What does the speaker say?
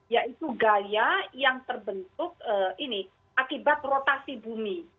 yaitu gaya yang terbentuk ini akibat rotasi bumi